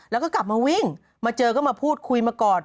แล้วก็กลับมาวิ่งมาเจอก็มาพูดคุยมาก่อน